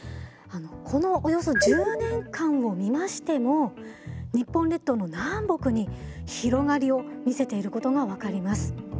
このおよそ１０年間を見ましても日本列島の南北に広がりを見せていることが分かります。